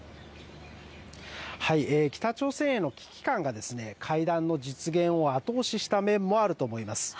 北朝鮮への危機感が、会談の実現を後押しした面もあると思います。